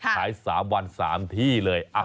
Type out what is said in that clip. ขาย๓วัน๓ที่เลย